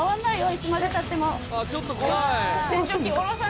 いつまで経っても。